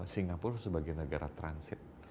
singapura sebagai negara transit